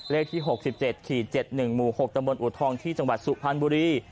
เลขที่๖๗๗๑หมู่๖ตำบลอูทองที่จังหวัดสุพรรณบุรี